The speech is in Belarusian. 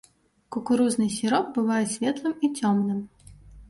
Кукурузны сіроп бывае светлым і цёмным.